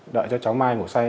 đợi cho cháu mai ngủ say